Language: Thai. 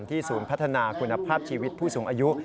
ศูนย์พัฒนาคุณภาพชีวิตผู้สูงอายุ